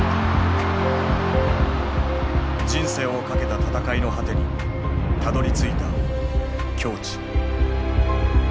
人生を懸けた戦いの果てにたどりついた境地。